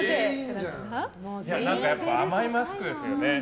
やっぱり甘いマスクですよね。